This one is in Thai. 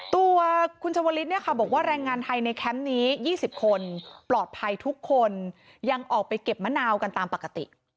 ตัวคุณชวลิศบอกว่าแรงงานไทยในแคมป์นี้๒๐คนปลอดภัยทุกคนยังออกไปเก็บมะนาวกันตามปกติ